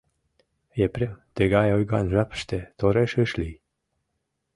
Епрем тыгай ойган жапыште тореш ыш лий.